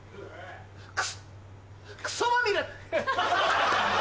ククソまみれ！